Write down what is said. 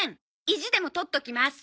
意地でもとっときます。